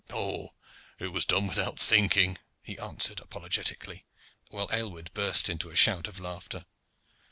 "It was done without thinking," he answered apologetically, while Aylward burst into a shout of laughter.